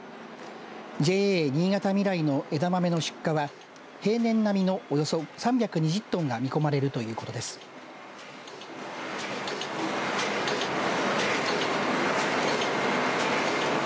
ＪＡ新潟みらいの枝豆の出荷は平年並みの、およそ３２０トンが見込まれるということです。